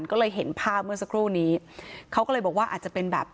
ก็เลยเห็นภาพเมื่อสักครู่นี้เขาก็เลยบอกว่าอาจจะเป็นแบบ